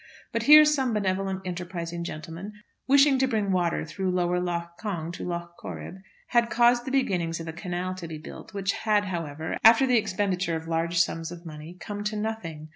But here some benevolent enterprising gentleman, wishing to bring water through Lower Lough Cong to Lough Corrib, had caused the beginnings of a canal to be built, which had, however, after the expenditure of large sums of money, come to nothing.